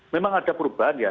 memang ada perubahan ya